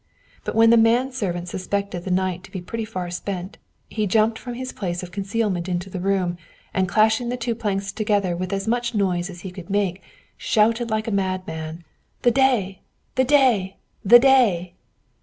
But when the man servant suspected the night to be pretty far spent, he jumped from his place of concealment into the room, and clashing the two planks together with as much noise as he could make, shouted like a madman, "The day! the day! the day!"